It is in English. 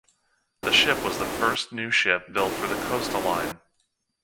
The ship was the first new ship built for the Costa Line.